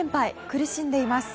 苦しんでいます。